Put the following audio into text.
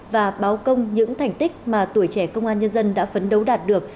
và báo công những thành tích mà tuổi trẻ công an nhân dân đã phấn đấu đạt được